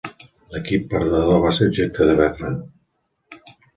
L"equip perdedor va ser objecte de befa.